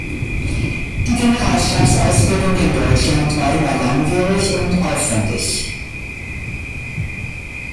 Die Generalstabsausbildung in Deutschland war immer langwierig und aufwendig.